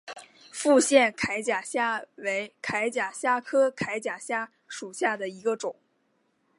复线铠甲虾为铠甲虾科铠甲虾属下的一个种。